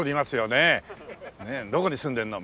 ねえどこに住んでるの？